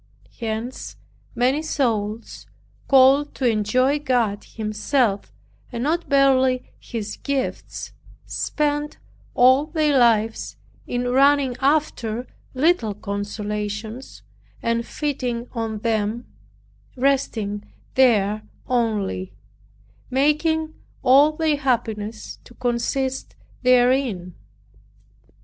Hence many souls, called to enjoy God Himself, and not barely His gifts, spend all their lives in running after little consolations, and feeding on them resting there only, making all their happiness to consist therein.